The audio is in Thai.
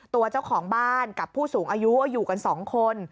ตัวเจ้าของบ้านกับผู้สูงอายุอยู่กันสองคน